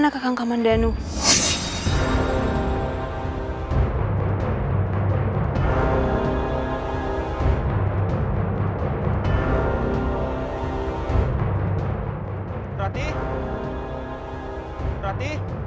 kakangkak manda's dude northatt